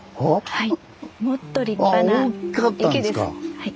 はい。